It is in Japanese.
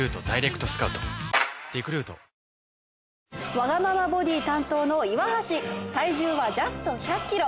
わがままボディ担当の岩橋体重はジャスト１００ｋｇ。